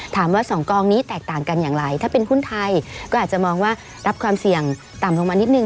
สองกองนี้แตกต่างกันอย่างไรถ้าเป็นหุ้นไทยก็อาจจะมองว่ารับความเสี่ยงต่ำลงมานิดนึ